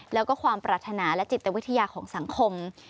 แล้วก็ความปรารถนาและจิตวิทยาของสังคม